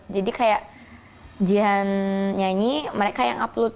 jadi kayak jihan nyanyi mereka yang upload